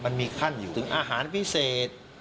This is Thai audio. มันมีขั้นอยู่ถึงอาหารพิเศษ